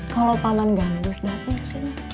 kalau paman gamus dateng kesini